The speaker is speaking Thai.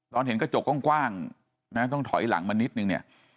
ตอนเห็นกระจกก่อนกว้างต้องถอยหลังมันนิดนึง